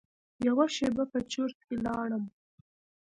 یوه شېبه په چرت کې لاړم.